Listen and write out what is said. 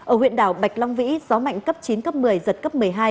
ở huyện đảo bạch long vĩ gió mạnh cấp chín cấp một mươi giật cấp một mươi hai